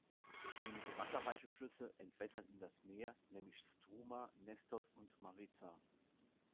Einige wasserreiche Flüsse entwässern in das Meer, nämlich Struma, Nestos und Mariza.